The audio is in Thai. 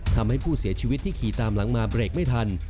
ทำให้ผู้เสียชีวิตที่ขี่ตามหลังมาเบรกไม่ทัน